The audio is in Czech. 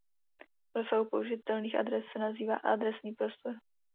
Rozsahu použitelných adres se nazývá "adresní prostor".